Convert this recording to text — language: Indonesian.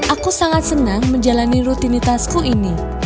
aku sangat senang menjalani rutinitasku ini